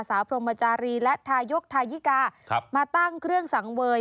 พรหมจารีและทายกทายิกามาตั้งเครื่องสังเวย